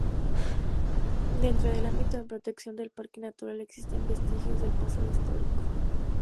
Dentro del ámbito de protección del parque natural existen vestigios del pasado histórico.